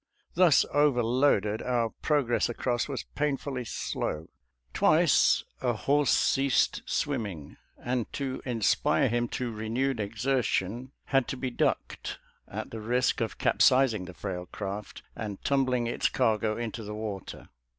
Thus overloaded, our progress across was painfully slow. Twice a horse ceased swimming, and to inspire him to renewed exer tion had to be ducked, at the risk of capsizing the frail craft and tumbling its cargo into the water.